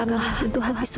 bukakanlah tentu hati suamiku